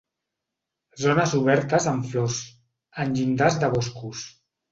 Zones obertes amb flors, en llindars de boscos.